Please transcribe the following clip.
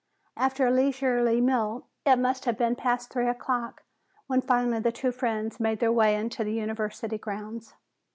After a leisurely meal, it must have been past three o'clock when finally the two friends made their way into the University grounds.